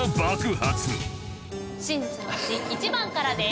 真実のクチ１番からです。